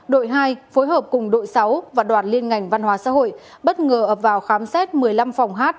đội hai phối hợp cùng đội sáu và đoàn liên ngành văn hóa xã hội bất ngờ ập vào khám xét một mươi năm phòng hát